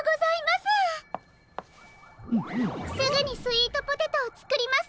すぐにスイートポテトをつくりますわ。